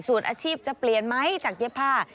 ส่วนอาชีพจะเปลี่ยนไหมจากเย็บผ้า